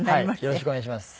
よろしくお願いします。